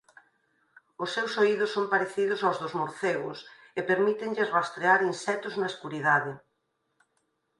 Os seus oídos son parecidos aos dos morcegos e permítenlles rastrear insectos na escuridade.